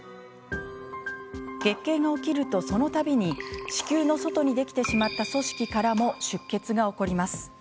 月経が起きると、そのたびに子宮の外にできてしまった組織からも出血が起こります。